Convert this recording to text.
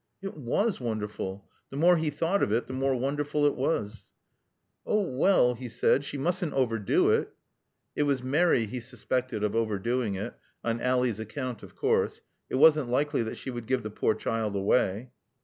It was wonderful. The more he thought of it the more wonderful it was. "Oh, well " he said, "she mustn't overdo it." It was Mary he suspected of overdoing it. On Ally's account, of course. It wasn't likely that she would give the poor child away.